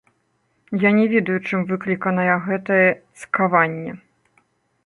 Я не ведаю, чым выкліканая гэтае цкаванне.